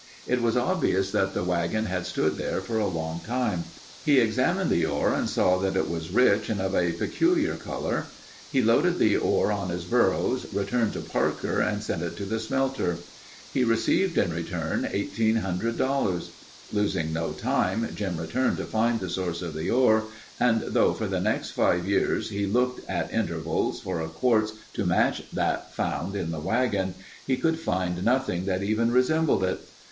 It was obvious that the wagon had stood there for a long time. He examined the ore and saw that it was rich and of a peculiar color. He loaded the ore on his burros, returned to Parker and sent it to the smelter. He received in return, $1800. Losing no time, Jim returned to find the source of the ore and though for the next five years he looked at intervals for a quartz to match that found in the wagon, he could find nothing that even resembled it.